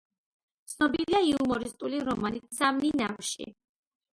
ცნობილია იუმორისტული რომანით „სამნი ნავში“.